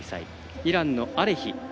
イランのアレヒ。